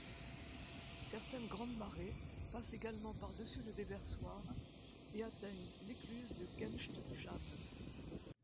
Certaines grandes marées passent également par-dessus le déversoir, et atteignent l’écluse de Keynsham.